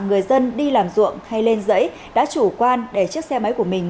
người dân đi làm ruộng hay lên giấy đã chủ quan để chiếc xe máy của mình